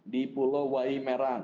di pulau wai merang